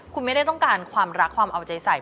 คุณไม่ได้ต้องการความรักความเอาใจใส่